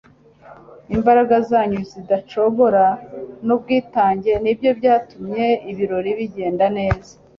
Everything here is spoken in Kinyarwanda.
imbaraga zanyu zidacogora nubwitange nibyo byatumye ibirori bigenda neza